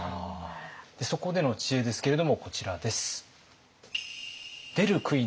そこでの知恵ですけれどもこちらです。